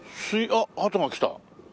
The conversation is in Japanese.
あっハトが来た！